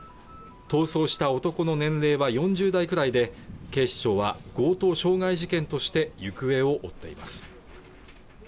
逃走した男の年齢は４０代くらいで警視庁は強盗傷害事件として行方を追っています